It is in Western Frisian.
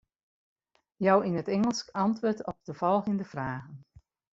Jou yn it Ingelsk antwurd op de folgjende fragen.